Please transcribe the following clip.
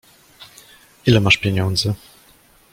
Ile masz pieniędzy?